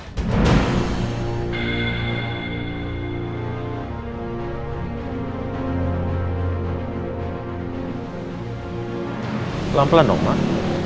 pelan pelan dong mak